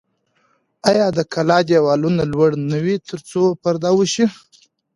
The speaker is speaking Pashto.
آیا د کلا دیوالونه لوړ نه وي ترڅو پرده وشي؟